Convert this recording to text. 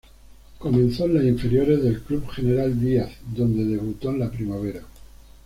Comenzó en las inferiores del Club General Díaz, donde debutó en la primera.